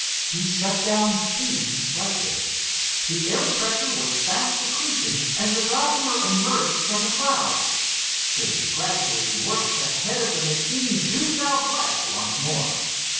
He shut down speed slightly. The air pressure was fast decreasing as the Gossamer emerged from the clouds. Dave gradually worked the head of the machine due southwest once more.